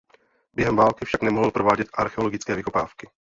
Během války však nemohla provádět archeologické vykopávky.